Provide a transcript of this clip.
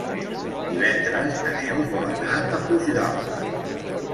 Divendres na Neus vol anar a Puigdàlber.